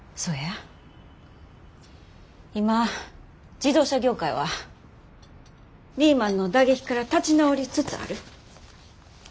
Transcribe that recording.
今自動車業界はリーマンの打撃から立ち直りつつある。